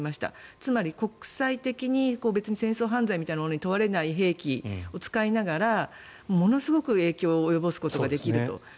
つまり国際的に別に戦争犯罪みたいなのに問われない兵器を使いながらものすごく影響を及ぼすことができると。